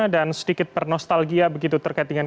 dan sedikit bernostalgia begitu terkait dengan